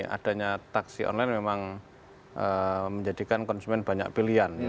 adanya taksi online memang menjadikan konsumen banyak pilihan